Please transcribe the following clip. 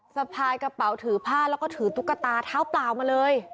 สะพายกระเป๋าถือผ้าแล้วก็ถือตุ๊กตาเท้าเปล่ามาเลย